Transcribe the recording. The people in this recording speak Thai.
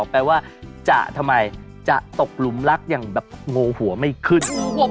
แปลว่าจะทำไมจะตกหลุมรักอย่างแบบโงหัวไม่ขึ้น